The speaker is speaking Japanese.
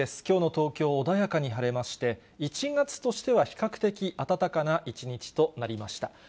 きょうの東京、穏やかに晴れまして、１月としては比較的暖かな一日となりました。